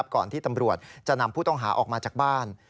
ก่อนที่ตำรวจจะนำผู้ต้องหาออกมาจากบ้าน